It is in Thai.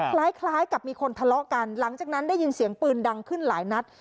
คล้ายกับมีคนทะเลาะกันหลังจากนั้นได้ยินเสียงปืนดังขึ้นหลายนัด